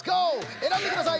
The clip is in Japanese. えらんでください。